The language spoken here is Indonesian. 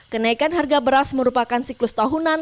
kenaikan harga beras merupakan siklus tahunan